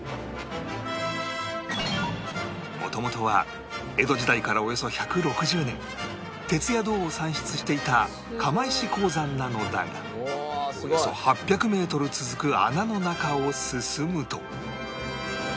元々は江戸時代からおよそ１６０年鉄や銅を産出していた釜石鉱山なのだがおよそ８００メートル続く穴の中を進むと